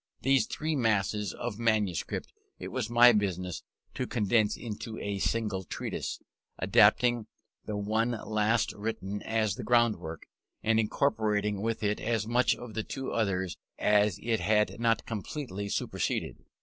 These three masses of manuscript it was my business to condense into a single treatise, adopting the one last written as the groundwork, and incorporating with it as much of the two others as it had not completely superseded.